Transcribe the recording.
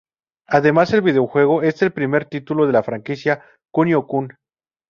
Además el videojuego es el primer título de la franquicia "Kunio-kun".